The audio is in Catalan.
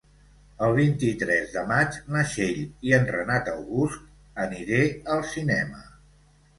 El vint-i-tres de maig na Txell i en Renat August aniré al cinema.